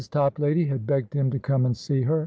Toplady had begged him to come and see her.